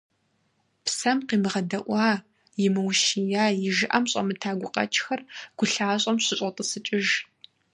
Псэм къимыгъэдэӀуа, имыущия, и жыӀэм щӀэмыта гукъэкӀхэр гу лъащӀэм щӀыщӀотӀысыкӀыж.